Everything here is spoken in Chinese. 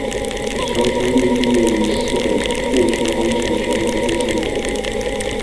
熊群力毕业于西北电讯工程学院天线专业。